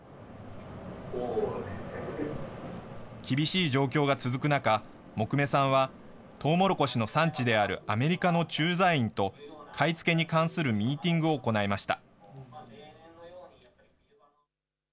厳しい状況が続く中、もくめさんは、トウモロコシの産地であるアメリカの駐在員と、買い付けに関するミーティングを行いました。